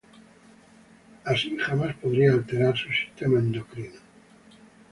Así jamás podría alterar su sistema endocrino.